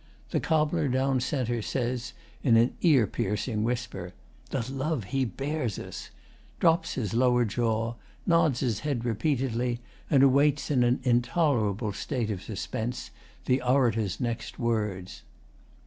The cobbler down c. says, in an ear piercing whisper, 'The love he bears us,' drops his lower jaw, nods his head repeatedly, and awaits in an intolerable state of suspense the orator's next words.